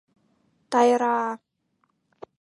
Тайра-а-а!